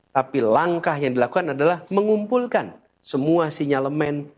tapi langkah yang dilakukan adalah mengumpulkan semua sinyalemen